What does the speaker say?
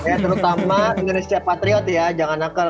ya terutama indonesia patriot ya jangan nakal